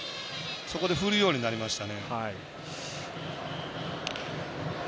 そこで振るようになりましたね。